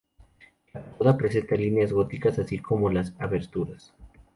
La portada presenta líneas góticas así como las aberturas.